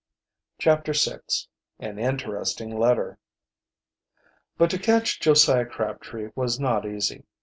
CHAPTER VI AN INTERESTING LETTER But to catch Josiah Crabtree was not easy.